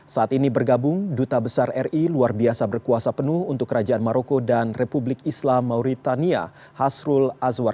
saat ini bergabung duta besar ri luar biasa berkuasa penuh untuk kerajaan maroko dan republik islam mauritania hasrul azwar